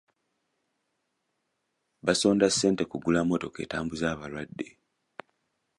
Basonda ssente kugula mmotoka etambuza abalwadde.